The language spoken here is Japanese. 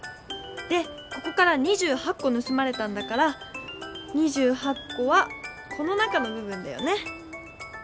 でここから２８こぬすまれたんだから２８こはこの中のぶ分だよね。